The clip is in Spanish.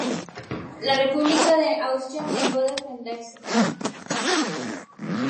La República de Austria negó defenderse.